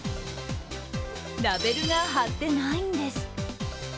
ラベルが貼っていないんです。